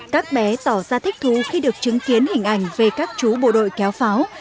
các bé tỏ ra thích thú khi được chứng kiến hình ảnh về các chú bộ đội kéo pháo